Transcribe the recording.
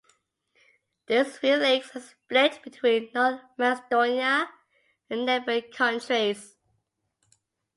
These three lakes are split between North Macedonia and neighbouring countries.